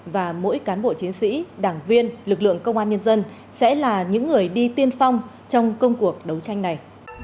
và mỗi cán bộ chiến sĩ đảng viên lực lượng công an nhân dân sẽ là những người đi tiên phong trong công cuộc đấu tranh này